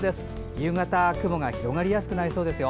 夕方雲が広がりやすくなりそうですよ。